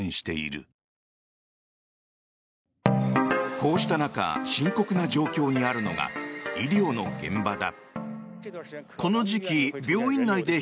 こうした中深刻な状況にあるのが医療の現場だ。